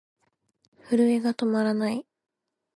震えが止まらない。